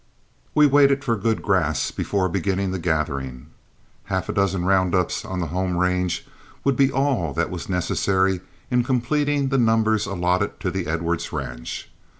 We waited for good grass before beginning the gathering. Half a dozen round ups on the home range would be all that was necessary in completing the numbers allotted to the Edwards ranch.